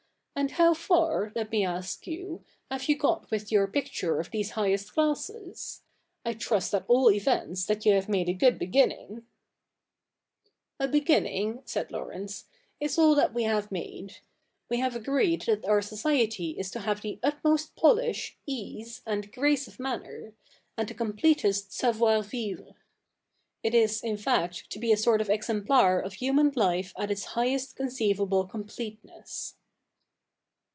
And hov*' far, let me ask you, have you got with your picture of these highest classes ? I trust at all events that you have made a good beginning.' 124 THE NEW REPUJ3LIC [bk. hi *A beginning,' said Laurence, 'is all that we have made, ^^'e have agreed that our society is to have the utmost polish, ease, and grace of manner, and the completest savoir vivre. It is, in fact, to be a sort of exemplar of human life at its highest conceivable com pleteness.'